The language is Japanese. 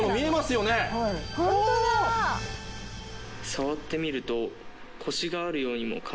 触ってみると。